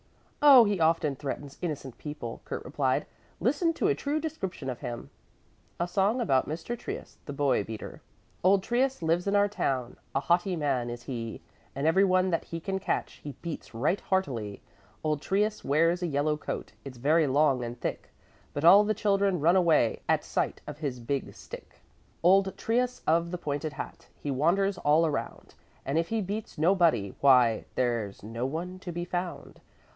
"Oh, he often threatens innocent people," Kurt replied. "Listen to a true description of him." A SONG ABOUT MR. TRIUS, THE BOY BEATER. Old Trius lives in our town, A haughty man is he, And every one that he can catch He beats right heartily. Old Trius wears a yellow coat, It's very long and thick, But all the children run away At sight of his big stick. Old Trius of the pointed hat He wanders all around, And if he beats nobody, why There's no one to be found.